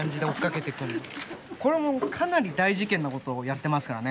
これもうかなり大事件なことをやってますからね